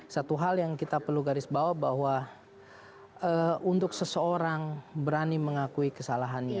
satu hal yang kita perlu garis bawah bahwa untuk seseorang berani mengakui kesalahannya